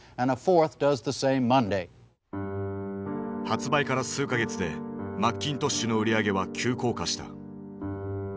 発売から数か月でマッキントッシュの売り上げは急降下した。